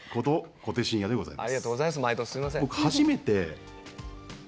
小手伸也でございます。